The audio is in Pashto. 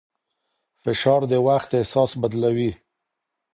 فشار د وخت احساس بدلوي.